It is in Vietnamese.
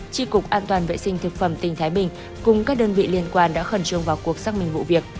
tri cục an toàn vệ sinh thực phẩm tỉnh thái bình cùng các đơn vị liên quan đã khẩn trương vào cuộc xác minh vụ việc